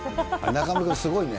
中丸君、すごいね。